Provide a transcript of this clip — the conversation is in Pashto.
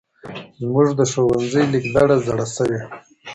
زمونږ د ښونځې لېک دړه زاړه شوی.